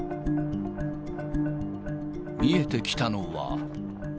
見えてきたのは。